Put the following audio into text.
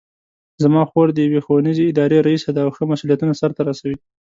زما خور د یوې ښوونیزې ادارې ریسه ده او ښه مسؤلیتونه سرته رسوي